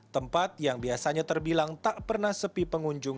tempat yang biasanya terbilang tak pernah sepi pengunjung